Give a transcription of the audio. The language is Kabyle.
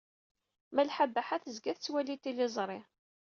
Malḥa Baḥa tezga tettwali tiliẓri.